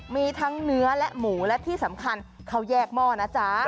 มีทั้งเนื้อและหมูและที่สำคัญเขาแยกหม้อนะจ๊ะ